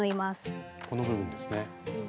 この部分ですね。